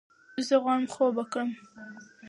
زۀ غواړم خوب وکړم!